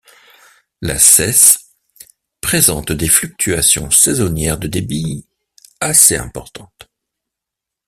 La Cesse présente des fluctuations saisonnières de débit assez importantes.